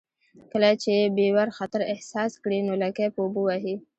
کله چې بیور خطر احساس کړي نو لکۍ په اوبو وهي